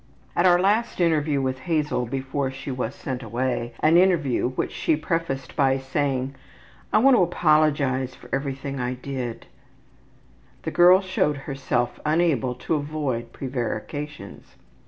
At our last interview with Hazel before she was sent away, an interview which she prefaced by saying, ``I want to apologize for everything I did,'' the girl showed herself unable to avoid prevarications.